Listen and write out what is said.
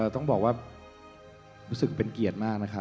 ต้องบอกว่ารู้สึกเป็นเกียรติมากนะครับ